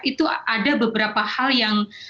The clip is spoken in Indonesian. itu ada beberapa hal yang